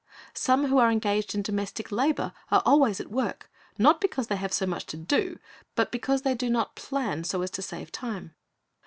Some who are engaged in domestic labor are always at work, not because they have so much to do, but because they do not plan so as to save time.